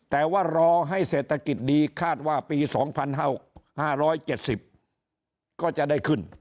แต่ว่ารอให้เศรษฐกิจดีคาดว่าปี๒๕๗๐ก็จะได้ขึ้น